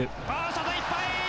外いっぱい！